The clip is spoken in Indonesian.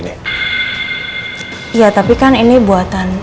nah udah partition